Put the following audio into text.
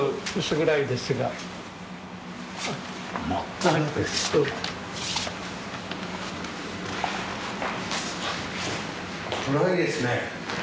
・暗いですね。